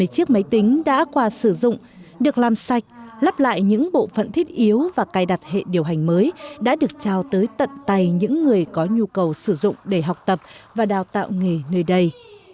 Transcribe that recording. hai mươi chiếc máy tính đã qua sử dụng được làm sạch lắp lại những bộ phận thiết yếu và cài đặt hệ điều hành mới đã được trao tới tận tay những người có nhu cầu sử dụng để học tập và đào tạo nghề nơi đây